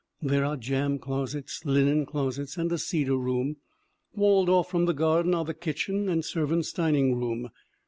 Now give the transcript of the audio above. There are jam closets, linen closets and a cedar room. Walled off from the garden are the kitchen and serv ants' dining room.